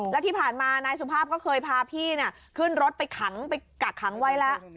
แล้วที่ผ่านมานายสุภาพก็เคยพาพี่ขึ้นรถไปขังไปกักขังไว้แล้ว